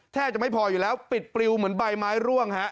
แทบจะไม่พออยู่แล้วปิดปลิวเหมือนใบไม้ร่วงฮะ